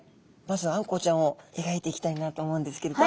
まずあんこうちゃんをえがいていきたいなと思うんですけれど。